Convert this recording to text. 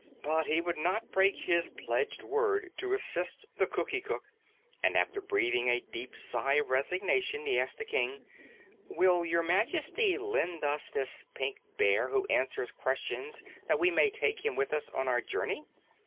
But he would not break his pledged word to assist the Cookie Cook, and after breathing a deep sigh of resignation, he asked the King, "Will Your Majesty lend us this Pink Bear who answers questions that we may take him with us on our journey?